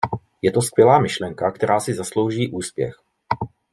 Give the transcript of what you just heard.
Je to skvělá myšlenka, která si zaslouží úspěch.